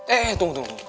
eh tunggu tunggu